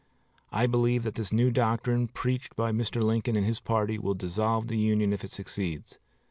I believe that this new doctrine preached by Mr. Lincoln and his party will dissolve the Union if it succeeds.